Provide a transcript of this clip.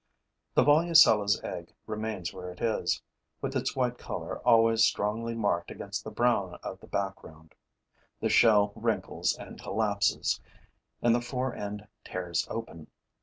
The Volucella's egg remains where it is, with its white color always strongly marked against the brown of the background. The shell wrinkles and collapses; and the fore end tears open.